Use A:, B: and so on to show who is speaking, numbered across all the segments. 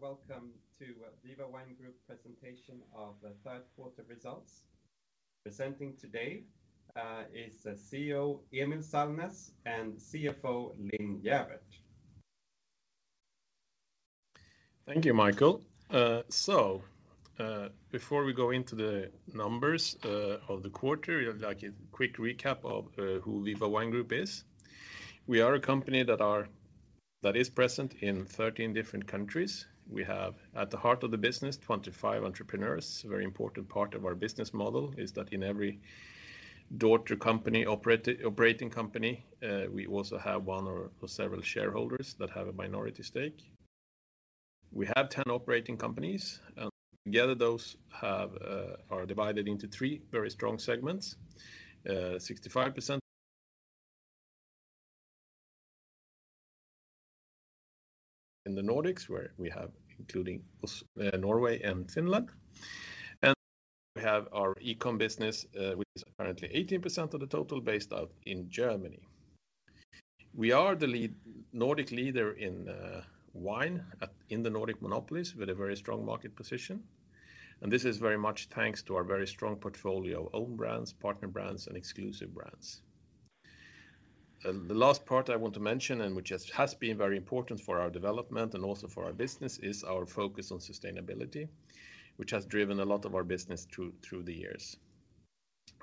A: Hello, and welcome to Viva Wine Group presentation of the third quarter results. Presenting today, is Chief Executive Officer Emil Sallnäs and Chief Financial Officer Linn Gäfvert.
B: Thank you, Michael. So, before we go into the numbers of the quarter, I'd like a quick recap of who Viva Wine Group is. We are a company that is present in 13 different countries. We have, at the heart of the business, 25 entrepreneurs. A very important part of our business model is that in every daughter company operating company, we also have one or several shareholders that have a minority stake. We have 10 operating companies, and together those are divided into three very strong segments. 65% in the Nordics, where we have including Norway and Finland. We have our e-com business, which is currently 18% of the total based out in Germany. We are the Nordic leader in wine in the Nordic monopolies with a very strong market position, and this is very much thanks to our very strong portfolio of own brands, partner brands, and exclusive brands. The last part I want to mention, and which has been very important for our development and also for our business, is our focus on sustainability, which has driven a lot of our business through the years.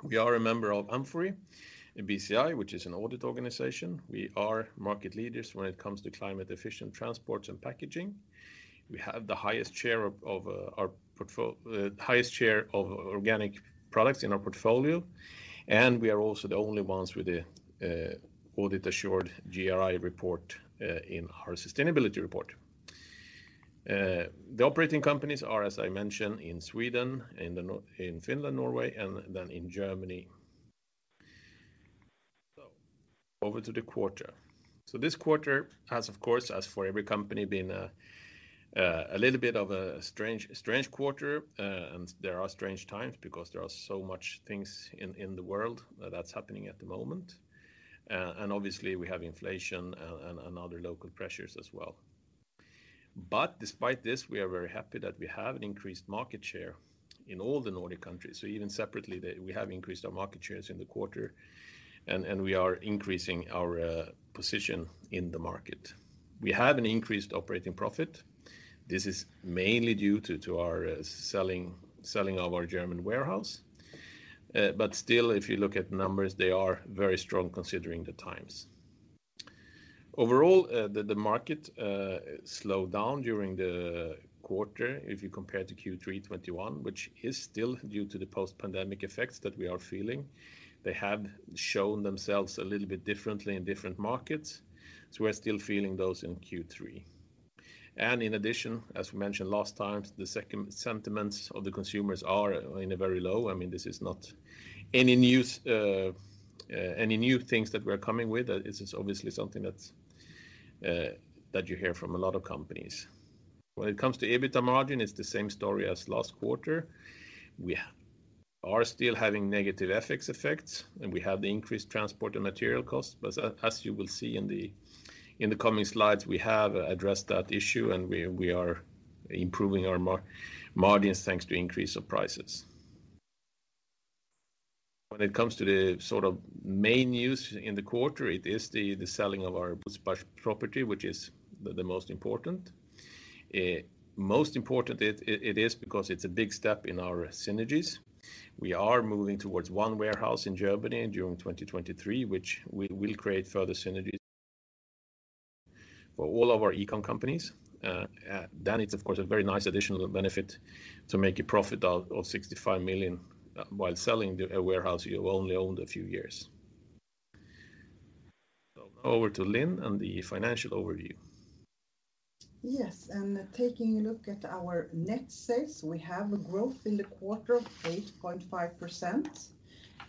B: We are a member of amfori and BCI, which is an audit organization. We are market leaders when it comes to climate efficient transports and packaging. We have the highest share of organic products in our portfolio, and we are also the only ones with an audit-assured GRI report in our sustainability report. The operating companies are, as I mentioned, in Sweden, in Finland, Norway, and then in Germany. Over to the quarter. This quarter has, of course, as for every company, been a little bit of a strange quarter. There are strange times because there are so much things in the world that's happening at the moment. Obviously we have inflation and other local pressures as well. Despite this, we are very happy that we have an increased market share in all the Nordic countries. Even separately, we have increased our market shares in the quarter, and we are increasing our position in the market. We have an increased operating profit. This is mainly due to our selling of our German warehouse. Still, if you look at numbers, they are very strong considering the times. Overall, the market slowed down during the quarter if you compare to Q3 2021, which is still due to the post-pandemic effects that we are feeling. They have shown themselves a little bit differently in different markets, so we're still feeling those in Q3. In addition, as we mentioned last time, the consumer sentiments are very low. I mean, this is not any new things that we're coming with. This is obviously something that you hear from a lot of companies. When it comes to EBITDA margin, it's the same story as last quarter. We are still having negative FX effects, and we have the increased transport and material costs. As you will see in the coming slides, we have addressed that issue, and we are improving our margins thanks to increase of prices. When it comes to the sort of main news in the quarter, it is the selling of our Würzburg property, which is the most important. Most important it is because it's a big step in our synergies. We are moving towards one warehouse in Germany during 2023, which will create further synergies for all of our e-com companies. Then it's of course a very nice additional benefit to make a profit out of 65 million while selling a warehouse you only owned a few years. Over to Linn and the financial overview.
C: Yes, taking a look at our net sales, we have a growth in the quarter of 8.5%.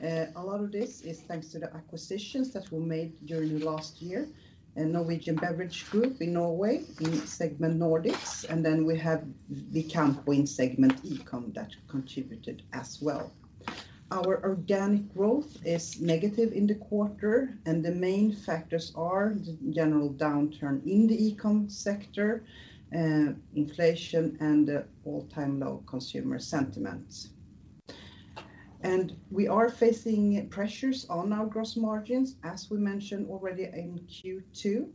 C: A lot of this is thanks to the acquisitions that were made during last year, and Norwegian Beverage Group in Norway in segment Nordics, and then we have the Vicampo segment e-com that contributed as well. Our organic growth is negative in the quarter, and the main factors are the general downturn in the e-com sector, inflation, and all-time low consumer sentiments. We are facing pressures on our gross margins, as we mentioned already in Q2.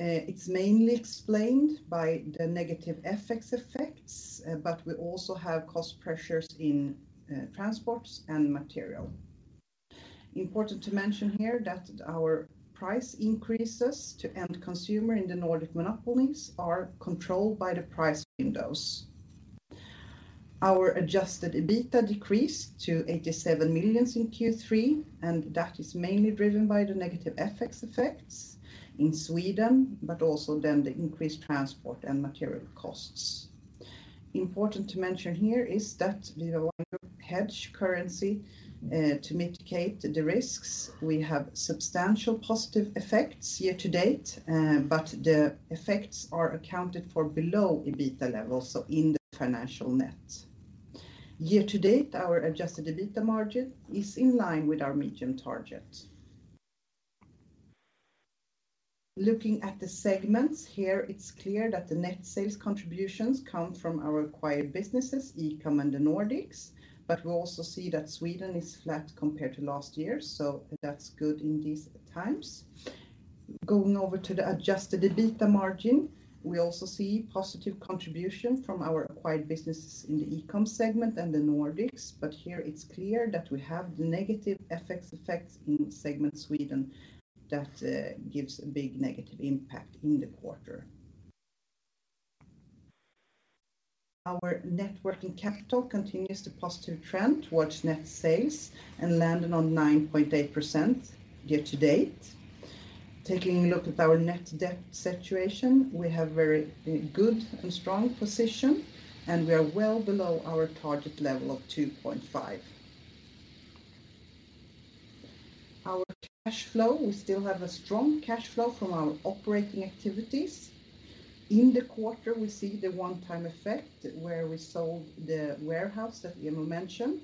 C: It's mainly explained by the negative FX effects, but we also have cost pressures in transports and material. Important to mention here that our price increases to end consumer in the Nordic monopolies are controlled by the price windows. Our adjusted EBITA decreased to 87 million in Q3, and that is mainly driven by the negative FX effects in Sweden, but also then the increased transport and material costs. Important to mention here is that we are wanting to hedge currency to mitigate the risks. We have substantial positive effects year to date, but the effects are accounted for below EBITA levels, so in the financial net. Year to date, our adjusted EBITA margin is in line with our medium target. Looking at the segments here, it's clear that the net sales contributions come from our acquired businesses, E-Com and the Nordics, but we also see that Sweden is flat compared to last year, so that's good in these times. Going over to the adjusted EBITDA margin, we also see positive contribution from our acquired businesses in the E-Com segment and the Nordics, but here it's clear that we have the negative FX effects in segment Sweden that gives a big negative impact in the quarter. Our net working capital continues the positive trend towards net sales and landed on 9.8% year to date. Taking a look at our net debt situation, we have very good and strong position, and we are well below our target level of 2.5. Our cash flow, we still have a strong cash flow from our operating activities. In the quarter, we see the one-time effect where we sold the warehouse that Emil mentioned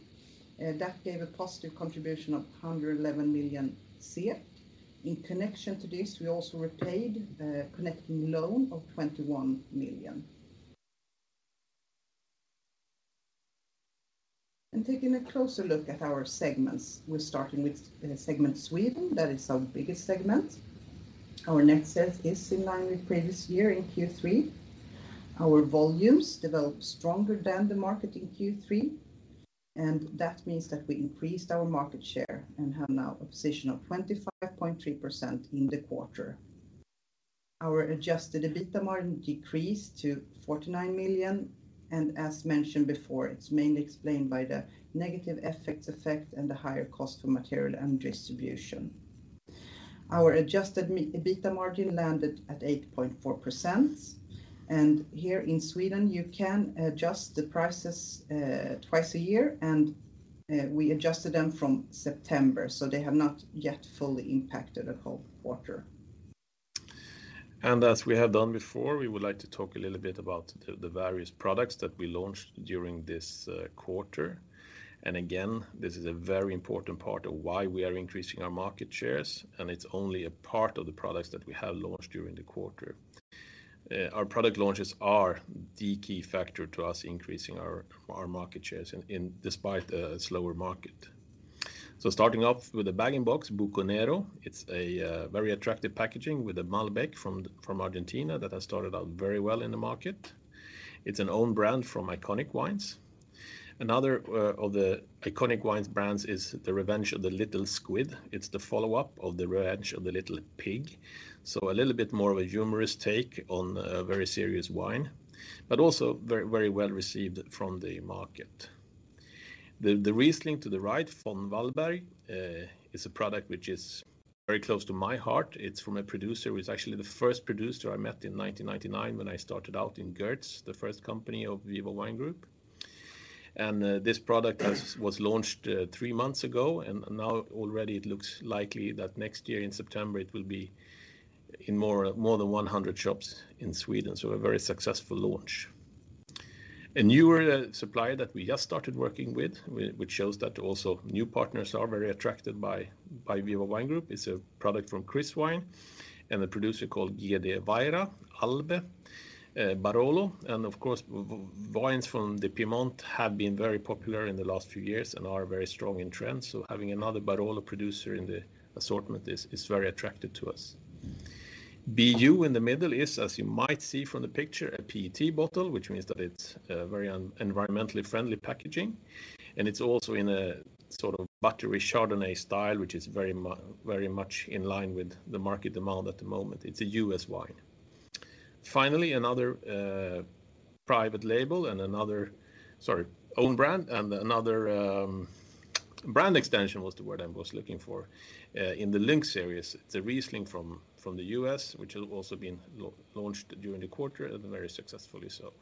C: that gave a positive contribution of 111 million. In connection to this, we also repaid a connecting loan of 21 million. Taking a closer look at our segments, we're starting with segment Sweden. That is our biggest segment. Our net sales is in line with previous year in Q3. Our volumes developed stronger than the market in Q3, and that means that we increased our market share and have now a position of 25.3% in the quarter. Our adjusted EBITDA decreased to 49 million, and as mentioned before, it's mainly explained by the negative FX effect and the higher cost for material and distribution. Our adjusted EBITDA margin landed at 8.4%, and here in Sweden, you can adjust the prices twice a year, and we adjusted them from September, so they have not yet fully impacted the whole quarter.
B: As we have done before, we would like to talk a little bit about the various products that we launched during this quarter. Again, this is a very important part of why we are increasing our market shares, and it's only a part of the products that we have launched during the quarter. Our product launches are the key factor to us increasing our market shares in spite of a slower market. Starting off with the bag-in-box Buco Nero, it's a very attractive packaging with a Malbec from Argentina that has started out very well in the market. It's our own brand from Iconic Wines. Another of the Iconic Wines brands is The Revenge of the Little Squid. It's the follow-up of The Revenge of the Little Pig, so a little bit more of a humorous take on a very serious wine, but also very, very well received from the market. The Riesling to the right from Von Wallberg is a product which is very close to my heart. It's from a producer who is actually the first producer I met in 1999 when I started out in Giertz, the first company of Viva Wine Group. This product was launched three months ago, and now already it looks likely that next year in September, it will be in more than 100 shops in Sweden, so a very successful launch. A newer supplier that we just started working with, which shows that also new partners are very attracted by Viva Wine Group, is a product from Kris and a producer called Giacomo Fenocchio Barolo. Of course, wines from the Piedmont have been very popular in the last few years and are very strong in trends, so having another Barolo producer in the assortment is very attractive to us. BYou in the middle is, as you might see from the picture, a PET bottle, which means that it's a very environmentally friendly packaging, and it's also in a sort of buttery Chardonnay style, which is very much in line with the market demand at the moment. It's a U.S. wine. Finally, another private label and another. Sorry, own brand and another brand extension was the word I was looking for in the Link series. It's a Riesling from the U.S., which has also been launched during the quarter and very successfully so.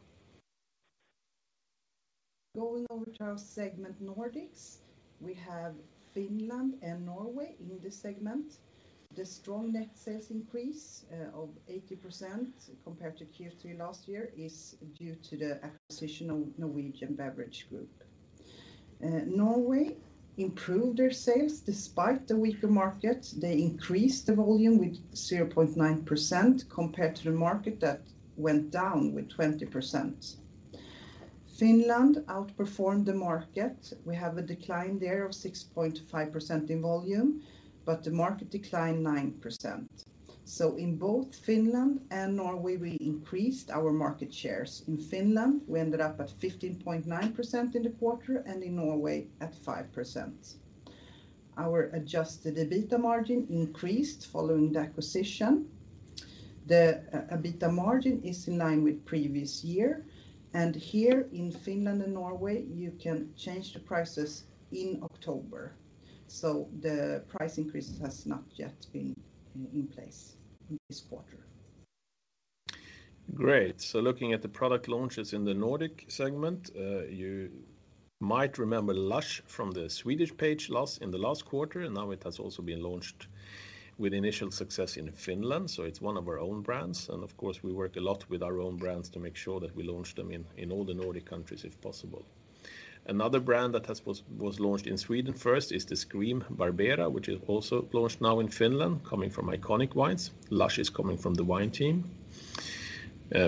C: Going over to our segment Nordics, we have Finland and Norway in this segment. The strong net sales increase of 80% compared to Q3 last year is due to the acquisition of Norwegian Beverage Group. Norway improved their sales despite the weaker market. They increased the volume with 0.9% compared to the market that went down with 20%. Finland outperformed the market. We have a decline there of 6.5% in volume, but the market declined 9%. In both Finland and Norway, we increased our market shares. In Finland, we ended up at 15.9% in the quarter, and in Norway at 5%. Our adjusted EBITDA margin increased following the acquisition. The EBITDA margin is in line with previous year, and here in Finland and Norway, you can change the prices in October, so the price increase has not yet been in place in this quarter.
B: Great. Looking at the product launches in the Nordic segment, you might remember Lush from the Swedish page in the last quarter, and now it has also been launched with initial success in Finland, so it's one of our own brands. Of course, we work a lot with our own brands to make sure that we launch them in all the Nordic countries if possible. Another brand that was launched in Sweden first is The Scream Barbera, which is also launched now in Finland, coming from Iconic Wines. Lush is coming from The Wine Team.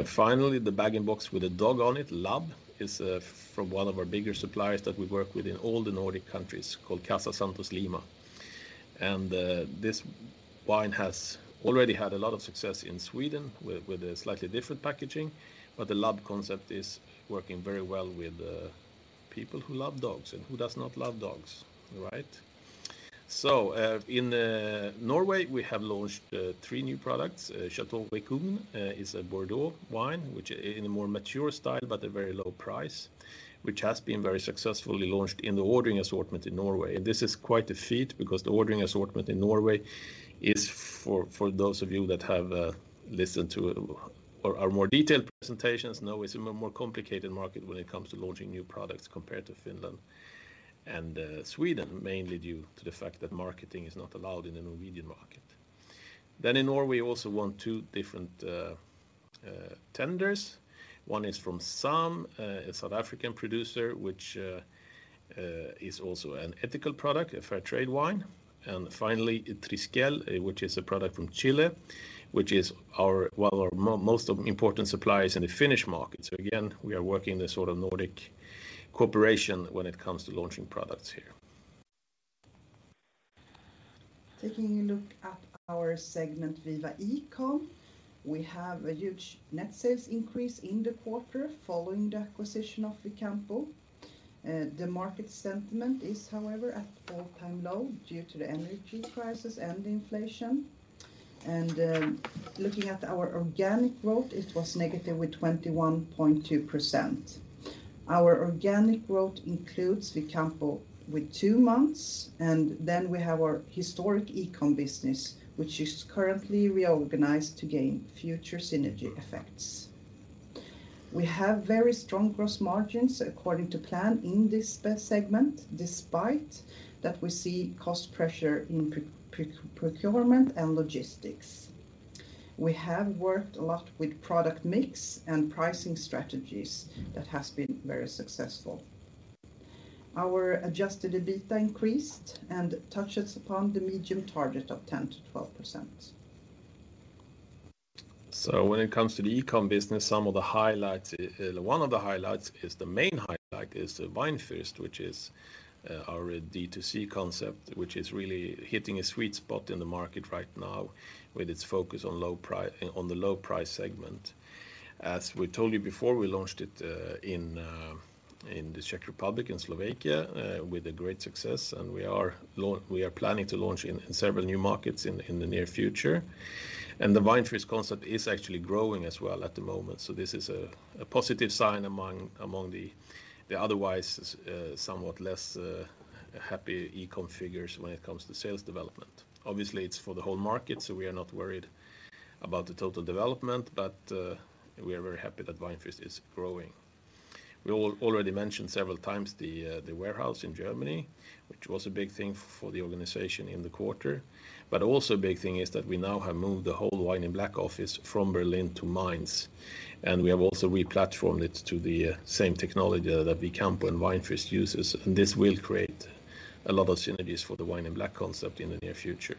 B: Finally, the bag-in-box with a dog on it, Lab, is from one of our bigger suppliers that we work with in all the Nordic countries called Casa Santos Lima. This wine has already had a lot of success in Sweden with a slightly different packaging, but the Lab concept is working very well with people who love dogs, and who does not love dogs, right? In Norway, we have launched three new products. Château de Vacques is a Bordeaux wine, which in a more mature style, but a very low price, which has been very successfully launched in the ordering assortment in Norway. This is quite a feat because the ordering assortment in Norway is for those of you that have listened to or our more detailed presentations, know it's a more complicated market when it comes to launching new products compared to Finland and Sweden, mainly due to the fact that marketing is not allowed in the Norwegian market. In Norway, we also won two different tenders. One is from Sam, a South African producer, which is also an ethical product, a fair trade wine. Finally, Trisquel, which is a product from Chile, which is one of our most important suppliers in the Finnish market. Again, we are working this sort of Nordic cooperation when it comes to launching products here.
C: Taking a look at our segment Viva e-com, we have a huge net sales increase in the quarter following the acquisition of Vicampo. The market sentiment is, however, at all-time low due to the energy crisis and inflation. Looking at our organic growth, it was negative with 21.2%. Our organic growth includes Vicampo with two months, and then we have our historic e-com business, which is currently reorganized to gain future synergy effects. We have very strong gross margins according to plan in this segment, despite that we see cost pressure in procurement and logistics. We have worked a lot with product mix and pricing strategies that has been very successful. Our adjusted EBITDA increased and touches upon the medium target of 10%-12%.
B: When it comes to the e-com business, some of the highlights, one of the main highlights is the Winefest, which is our D2C concept, which is really hitting a sweet spot in the market right now with its focus on the low price segment. As we told you before, we launched it in the Czech Republic and Slovakia with great success, and we are planning to launch in several new markets in the near future. The Winefest concept is actually growing as well at the moment. This is a positive sign among the otherwise somewhat less happy e-com figures when it comes to sales development. Obviously, it's for the whole market, so we are not worried about the total development, but we are very happy that Winefest is growing. We already mentioned several times the warehouse in Germany, which was a big thing for the organization in the quarter. Also a big thing is that we now have moved the whole Wine in Black office from Berlin to Mainz, and we have also re-platformed it to the same technology that Vicampo and Winefest uses, and this will create a lot of synergies for the Wine in Black concept in the near future.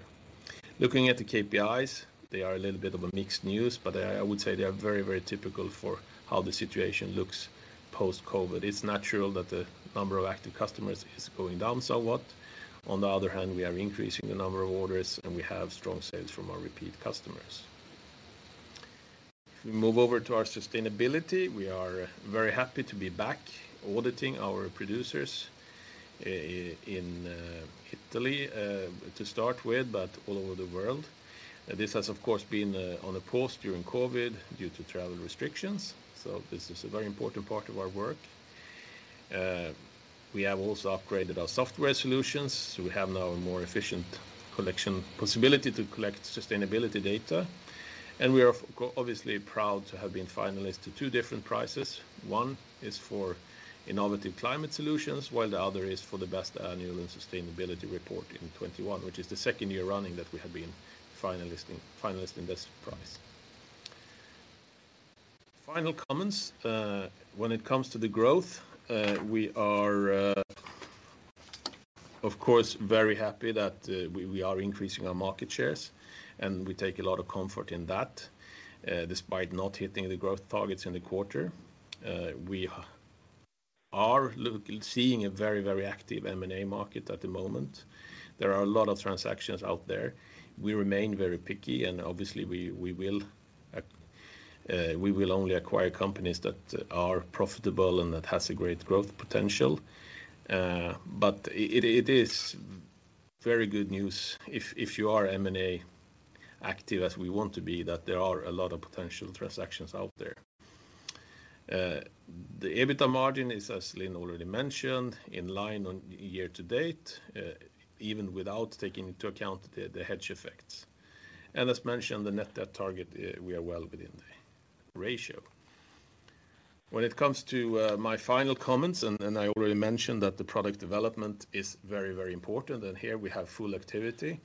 B: Looking at the KPIs, they are a little bit of a mixed news, but I would say they are very, very typical for how the situation looks post-COVID. It's natural that the number of active customers is going down somewhat. On the other hand, we are increasing the number of orders, and we have strong sales from our repeat customers. If we move over to our sustainability, we are very happy to be back auditing our producers in Italy, to start with, but all over the world. This has, of course, been on a pause during COVID due to travel restrictions, so this is a very important part of our work. We have also upgraded our software solutions, so we have now a more efficient collection possibility to collect sustainability data. We are obviously proud to have been finalist to two different prizes. One is for innovative climate solutions, while the other is for the best annual and sustainability report in 2021, which is the second year running that we have been finalist in this prize. Final comments. When it comes to the growth, we are, of course, very happy that we are increasing our market shares, and we take a lot of comfort in that, despite not hitting the growth targets in the quarter. We are seeing a very, very active M&A market at the moment. There are a lot of transactions out there. We remain very picky, and obviously, we will only acquire companies that are profitable and that has a great growth potential. It is very good news if you are M&A active as we want to be, that there are a lot of potential transactions out there. The EBITDA margin is, as Linn already mentioned, in line on year to date, even without taking into account the hedge effects. As mentioned, the net debt target, we are well within the ratio. When it comes to my final comments, and I already mentioned that the product development is very, very important, and here we have full activity,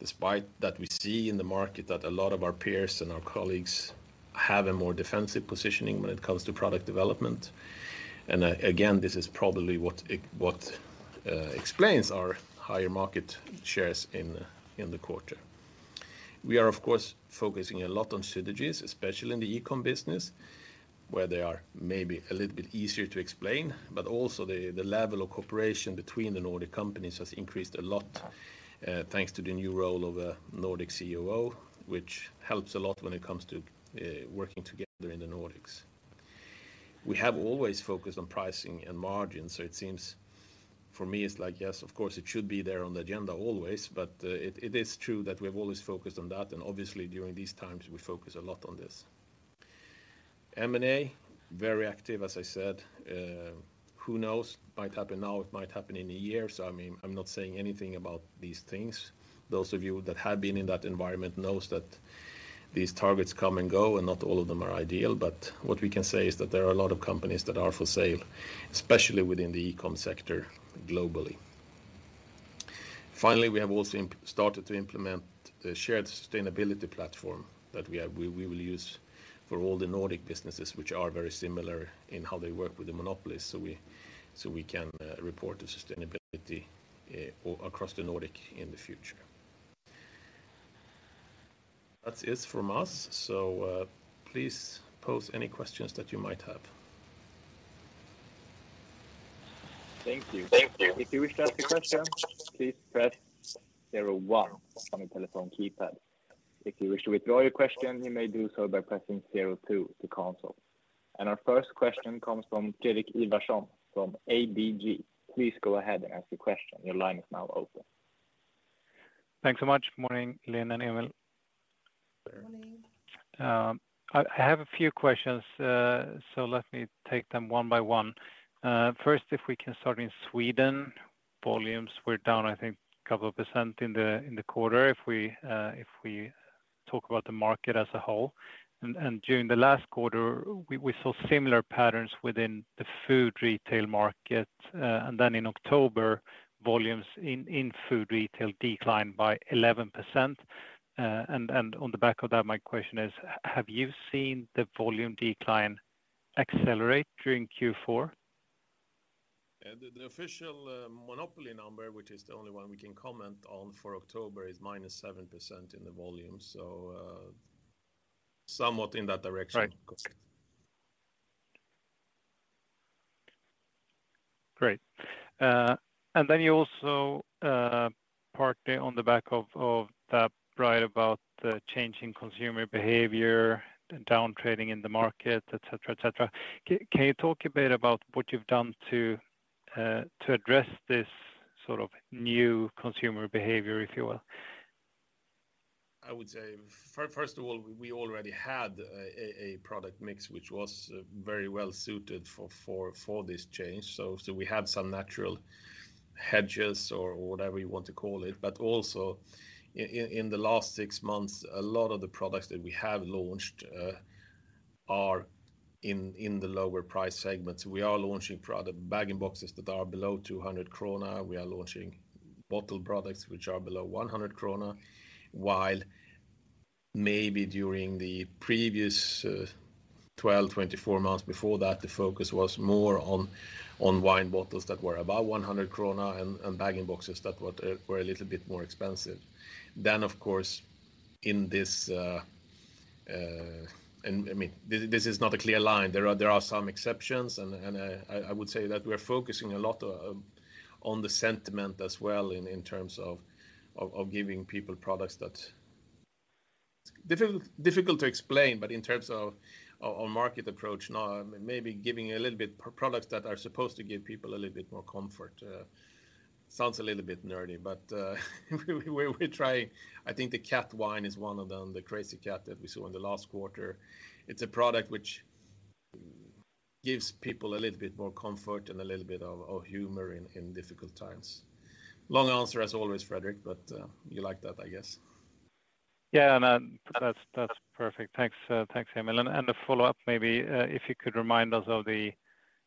B: despite that we see in the market that a lot of our peers and our colleagues have a more defensive positioning when it comes to product development. Again, this is probably what explains our higher market shares in the quarter. We are, of course, focusing a lot on synergies, especially in the e-com business, where they are maybe a little bit easier to explain. Also the level of cooperation between the Nordic companies has increased a lot, thanks to the new role of a Nordic Chief Operating Officer, which helps a lot when it comes to working together in the Nordics. We have always focused on pricing and margins, so it seems for me it's like, yes, of course, it should be there on the agenda always. It is true that we have always focused on that, and obviously during these times we focus a lot on this. M&A, very active, as I said. Who knows? Might happen now, it might happen in a year. I mean, I'm not saying anything about these things. Those of you that have been in that environment knows that these targets come and go, and not all of them are ideal. What we can say is that there are a lot of companies that are for sale, especially within the e-com sector globally. Finally, we have also started to implement the shared sustainability platform that we will use for all the Nordic businesses, which are very similar in how they work with the monopolies, so we can report the sustainability across the Nordic in the future. That's it from us. Please pose any questions that you might have.
D: Thank you.
B: Thank you.
D: If you wish to ask a question, please press zero one on your telephone keypad. If you wish to withdraw your question, you may do so by pressing zero two to cancel. Our first question comes from Fredrik Ivarsson from ABG. Please go ahead and ask your question. Your line is now open.
E: Thanks so much. Morning, Linn and Emil.
B: Morning.
E: I have a few questions, so let me take them one by one. First, if we can start in Sweden. Volumes were down, I think, a couple of percent in the quarter if we talk about the market as a whole. During the last quarter, we saw similar patterns within the food retail market. In October, volumes in food retail declined by 11%. On the back of that, my question is, have you seen the volume decline accelerate during Q4?
B: The official monopoly number, which is the only one we can comment on for October, is -7% in the volume. Somewhat in that direction.
E: Right. Great. You also, partly on the back of that, right, about the changing consumer behavior, downtrading in the market, et cetera, et cetera. Can you talk a bit about what you've done to address this sort of new consumer behavior, if you will?
B: I would say first of all, we already had a product mix which was very well suited for this change. We had some natural hedges or whatever you want to call it. But also in the last 6 months, a lot of the products that we have launched are in the lower price segments. We are launching product bag-in-boxes that are below 200 krona. We are launching bottle products which are below 100 krona. While maybe during the previous 12-24 months before that, the focus was more on wine bottles that were above 100 krona and bag-in-boxes that were a little bit more expensive. Of course, in this. I mean, this is not a clear line. There are some exceptions and I would say that we're focusing a lot on the sentiment as well in terms of giving people products that difficult to explain, but in terms of our market approach now, maybe giving a little bit products that are supposed to give people a little bit more comfort. Sounds a little bit nerdy, but we're trying. I think the Crazy Cat wine is one of them, the Crazy Cat that we saw in the last quarter. It's a product which gives people a little bit more comfort and a little bit of humor in difficult times. Long answer as always, Fredrik, but you like that, I guess.
E: Yeah, no, that's perfect. Thanks, Emil. A follow-up, maybe, if you could remind us of the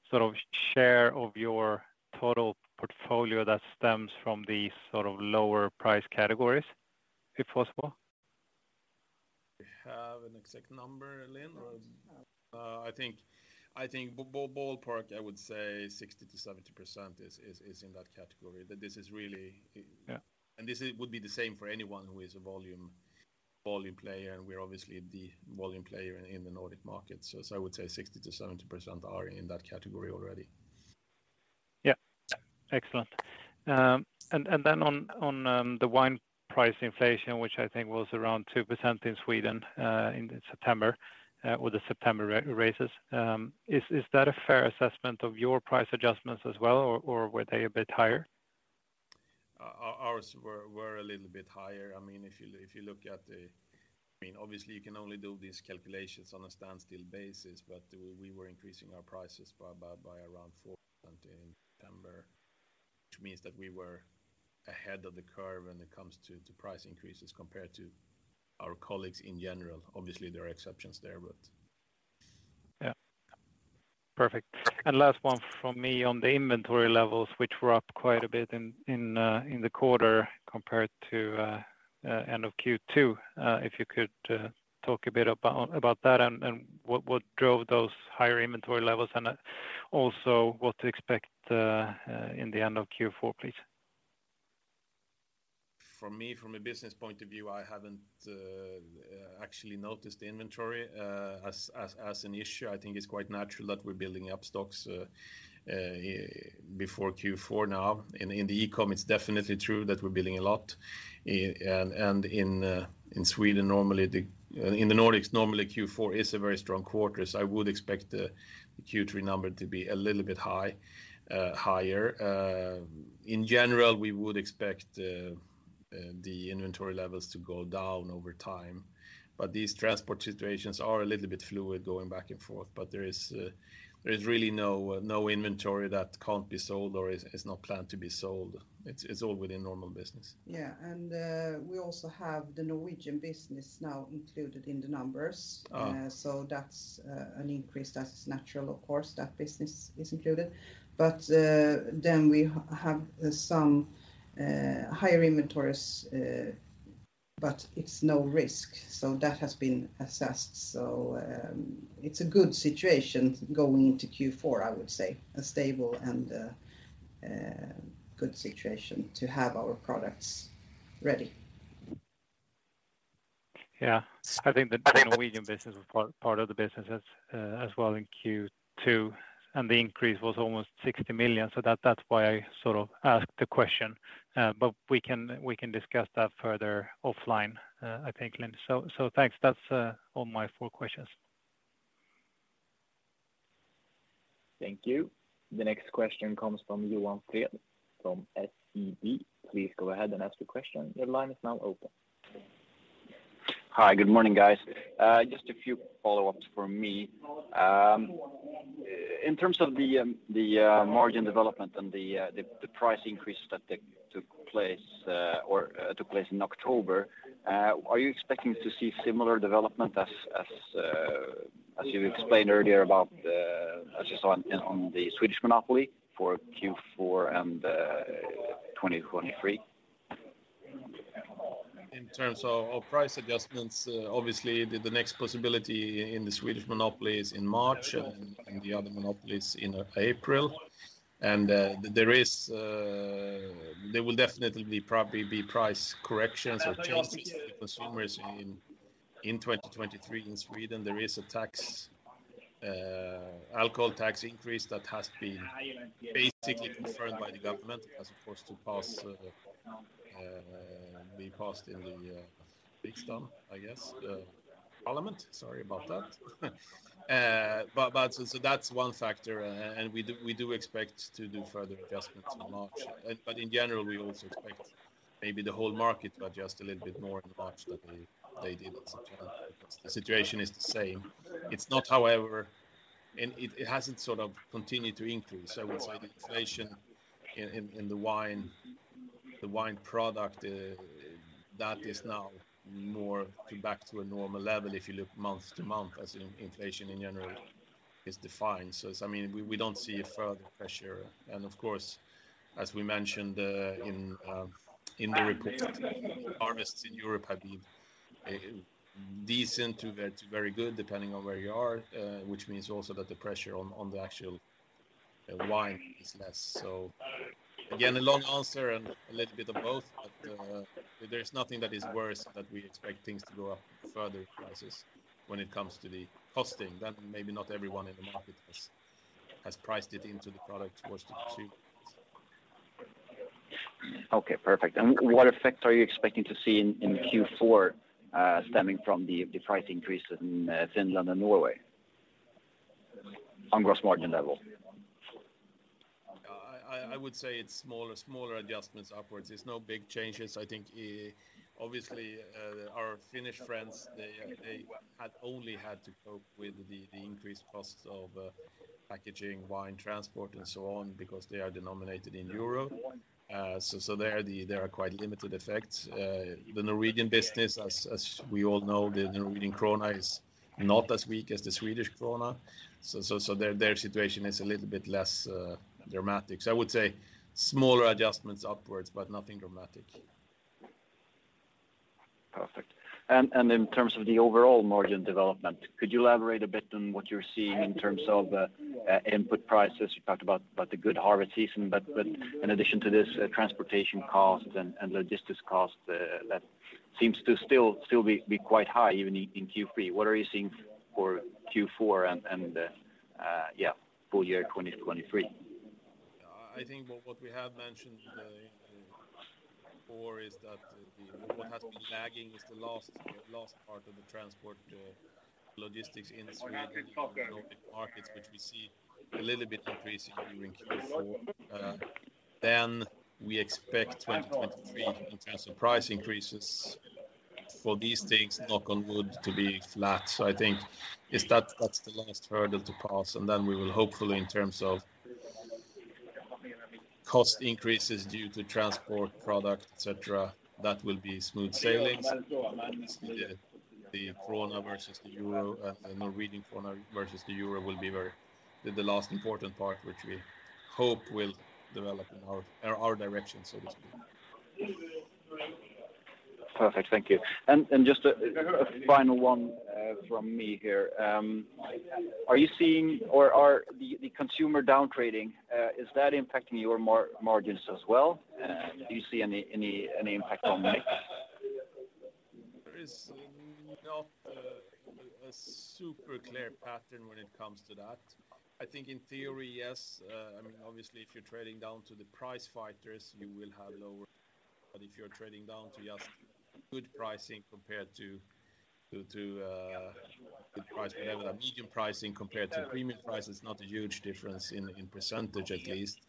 E: sort of share of your total portfolio that stems from these sort of lower price categories, if possible.
B: Do we have an exact number, Linn? Or no. I think ballpark, I would say 60%-70% is in that category.
E: Yeah.
B: This would be the same for anyone who is a volume player, and we're obviously the volume player in the Nordic market. I would say 60%-70% are in that category already.
E: Yeah. Excellent. On the wine price inflation, which I think was around 2% in Sweden in September with the September raises. Is that a fair assessment of your price adjustments as well, or were they a bit higher?
B: Ours were a little bit higher. I mean, if you look at the. I mean, obviously you can only do these calculations on a standstill basis, but we were increasing our prices by around 4% in September, which means that we were ahead of the curve when it comes to price increases compared to our colleagues in general. Obviously, there are exceptions there, but.
E: Yeah. Perfect. Last one from me on the inventory levels, which were up quite a bit in the quarter compared to end of Q2. If you could talk a bit about that and what drove those higher inventory levels and also what to expect in the end of Q4, please.
B: For me, from a business point of view, I haven't actually noticed the inventory as an issue. I think it's quite natural that we're building up stocks before Q4 now. In the e-com, it's definitely true that we're building a lot. In the Nordics, normally Q4 is a very strong quarter. I would expect the Q3 number to be a little bit higher. In general, we would expect the inventory levels to go down over time. These transport situations are a little bit fluid going back and forth. There is really no inventory that can't be sold or is not planned to be sold. It's all within normal business.
C: Yeah. We also have the Norwegian business now included in the numbers.
B: Ah.
C: That's an increase that is natural, of course, that business is included. Then we have some higher inventories, but it's no risk. That has been assessed. It's a good situation going into Q4, I would say, a stable and good situation to have our products ready.
E: Yeah. I think the Norwegian business was part of the business as well in Q2, and the increase was almost 60 million. That's why I sort of asked the question. We can discuss that further offline, I think, Linn. Thanks. That's all my four questions.
D: Thank you. The next question comes from Johan Fred from SEB. Please go ahead and ask your question. Your line is now open.
F: Hi. Good morning, guys. Just a few follow-ups from me. In terms of the margin development and the price increase that took place in October, are you expecting to see similar development as you explained earlier as you saw in on the Swedish monopoly for Q4 and 2023?
B: In terms of price adjustments, obviously the next possibility in the Swedish monopoly is in March and the other monopolies in April. There will definitely probably be price corrections or changes to the consumers in 2023 in Sweden. There is an alcohol tax increase that has been basically confirmed by the government as opposed to be passed in the Riksdag, I guess, parliament. Sorry about that. So that's one factor and we do expect to do further adjustments in March. But in general, we also expect maybe the whole market to adjust a little bit more in March than they did in September. The situation is the same. It's not, however. It hasn't sort of continued to increase. I would say the inflation in the wine product that is now more or less back to a normal level if you look month to month as in inflation in general is defined. I mean, we don't see a further pressure. Of course, as we mentioned in the report, harvests in Europe have been decent to very, very good depending on where you are, which means also that the pressure on the actual wine is less. Again, a long answer and a little bit of both. There's nothing that is worse that we expect things to go up further in prices when it comes to the costing. That maybe not everyone in the market has priced it into the product price to consumer.
F: Okay. Perfect. What effect are you expecting to see in Q4 stemming from the price increase in Finland and Norway on gross margin level?
B: I would say it's smaller adjustments upwards. There's no big changes. I think, obviously, our Finnish friends they had only had to cope with the increased costs of packaging, wine transport, and so on because they are denominated in euro. There are quite limited effects. The Norwegian business, as we all know, the Norwegian krone is not as weak as the Swedish krone. Their situation is a little bit less dramatic. I would say smaller adjustments upwards, but nothing dramatic.
F: Perfect. In terms of the overall margin development, could you elaborate a bit on what you're seeing in terms of input prices? You talked about the good harvest season, but in addition to this, transportation costs and logistics costs that seems to still be quite high even in Q3. What are you seeing for Q4 and full year 2023?
B: Yeah. I think what we have mentioned in Q4 is that what has been lagging was the last part of the transport logistics in Sweden and the Nordic markets, which we see a little bit increasing during Q4. We expect 2023 in terms of price increases for these things, knock on wood, to be flat. I think it's that that's the last hurdle to pass, and then we will hopefully in terms of cost increases due to transport, product, et cetera, that will be smooth sailing. The krone versus the euro, the Norwegian krone versus the euro will be very the last important part, which we hope will develop in our direction, so to speak.
F: Perfect. Thank you. Just a final one from me here. Are you seeing or are the consumer downtrading? Is that impacting your margins as well? Do you see any impact on mix?
B: There is not a super clear pattern when it comes to that. I think in theory, yes. I mean, obviously if you're trading down to the price fighters, you will have lower. If you're trading down to just good pricing compared to good price, whatever, medium pricing compared to premium price is not a huge difference in percentage at least.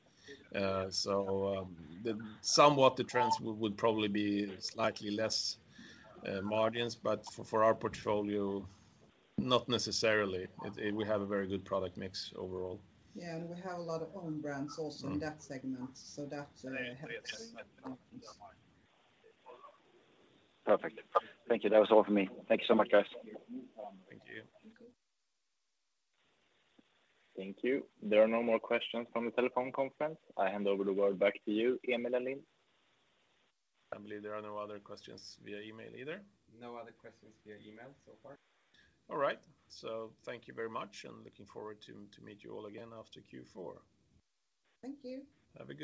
B: Somewhat the trends would probably be slightly less margins. For our portfolio, not necessarily. We have a very good product mix overall.
C: Yeah. We have a lot of own brands also.
B: Mm-hmm
C: in that segment, so that helps.
F: Perfect. Thank you. That was all for me. Thank you so much, guys.
B: Thank you.
D: Thank you. There are no more questions from the telephone conference. I hand over the word back to you, Emil and Linn.
B: I believe there are no other questions via email either.
A: No other questions via email so far.
B: All right. Thank you very much, and looking forward to meet you all again after Q4.
C: Thank you.
B: Have a good day.